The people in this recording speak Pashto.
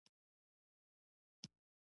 • مینه د زړۀ د قوت احساس دی.